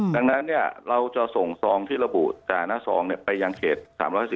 ดังนั้นเนี่ยเราจะส่งซองที่ระบุจากหน้าซองไปยังเทศ